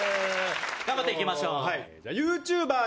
頑張っていきましょう。